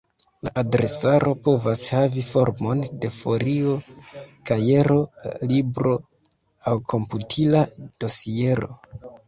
La adresaro povas havi formon de folio, kajero, libro aŭ komputila dosiero.